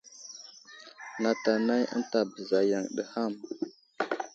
Nat anay ənta bəza yaŋ ham.